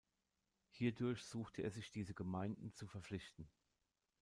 Hierdurch suchte er sich diese Gemeinden zu verpflichten.